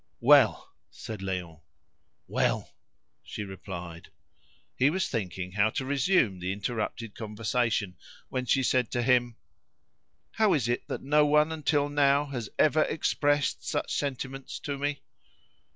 "Well!" said Léon. "Well!" she replied. He was thinking how to resume the interrupted conversation, when she said to him "How is it that no one until now has ever expressed such sentiments to me?"